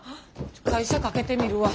会社かけてみるわ。